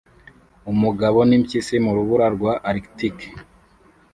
umugabo nimpyisi mu rubura rwa arctique